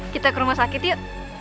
kita ke rumah sakit yuk